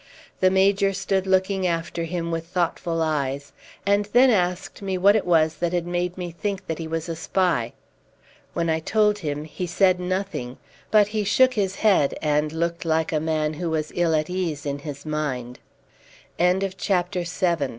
The Major stood looking after him with thoughtful eyes, and then asked me what it was that had made me think that he was a spy. When I told him he said nothing, but he shook his head, and looked like a man who was ill at ease in his mind. CHAPTER VIII.